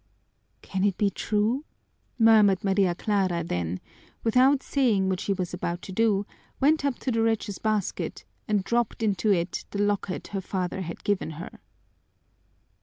'" "Can it be true!" murmured Maria Clara, then, without saying what she was about to do, went up to the wretch's basket and dropped into it the locket her father had given her.